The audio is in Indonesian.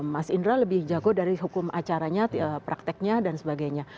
mas indra lebih jago dari hukum acaranya prakteknya dan sebagainya